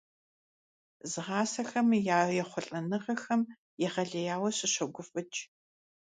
Згъасэхэм я ехъулӀэныгъэхэм егъэлеяуэ сыщогуфӀыкӀ.